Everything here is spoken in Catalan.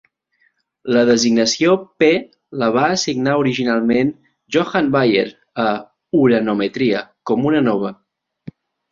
La designació "P" la va assignar originalment Johann Bayer a "Uranometria" com una nova.